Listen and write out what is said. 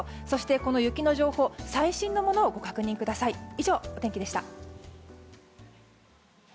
そして、この雪の情報最新のものをご確認ください。